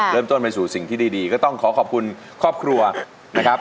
เริ่มต้นไปสู่สิ่งที่ดีก็ต้องขอขอบคุณครอบครัวนะครับ